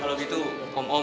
kalau gitu om om